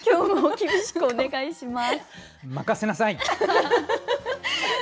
よろしくお願いします。